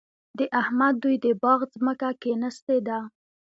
د احمد دوی د باغ ځمکه کېنستې ده.